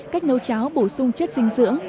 cách nấu cháo bổ sung chất dinh dưỡng